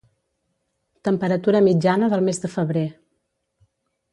Temperatura mitjana del mes de febrer.